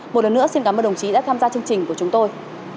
một lần nữa xin cảm ơn đồng chí đã tham gia chương trình của chúng tôi